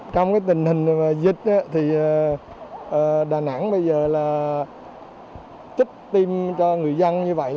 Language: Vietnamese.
trong tình hình dịch đà nẵng bây giờ trích tiêm cho người dân như vậy